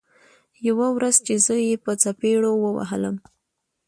يوه ورځ چې زه يې په څپېړو ووهلم.